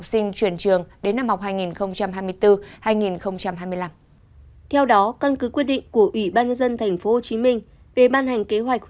xin chào và hẹn gặp lại